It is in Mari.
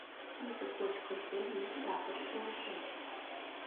Пӱтӧ кочкыш дене иктат ыш келше.